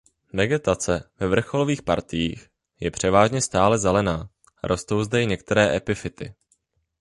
Vegetace ve vrcholových partiích je převážně stále zelená a rostou zde i některé epifyty.